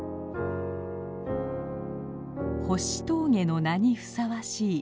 星峠の名にふさわしい